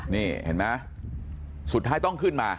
นี่เห็นไหมสุดท้ายต้องขึ้นมา